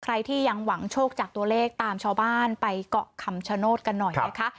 ใครที่ยังหวังโชคจากตัวเลขตามชาวบ้านไปเกาะคำชโนธกันหน่อยนะคะ